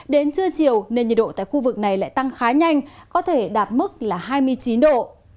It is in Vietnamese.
đến trưa chiều nên nhiệt độ tại khu vực này lại tăng khá nhanh có thể đạt mức là hai mươi chín độ